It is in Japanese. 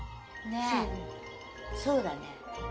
ねっそうだね。